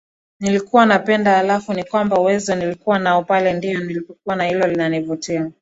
nilikuwa napenda halafu ni kwamba uwezo nilikuwa nao Pale ndio nilipokuwa na hilo linanivutia